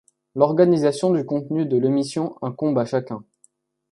L'organisation du contenu de l'émission incombe à chacun.